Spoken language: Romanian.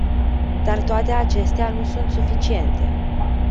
Dar toate acestea nu sunt suficiente.